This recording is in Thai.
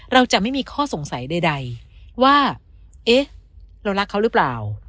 เราจะไม่มีข้อสงสัยใดว่าเอ๊ะเรารักเขาหรือเปล่า